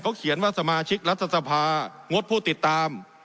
เขาเขียนว่าสมาชิกรัฐสภางดผู้ติดตาม